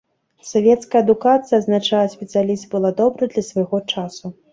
Савецкая адукацыя, адзначае спецыяліст, была добрай для свайго часу.